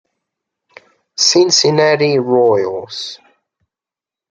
Cincinnati Royals